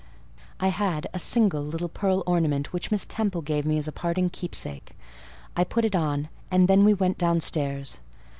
I had a single little pearl ornament which Miss Temple gave me as a parting keepsake: I put it on, and then we went downstairs.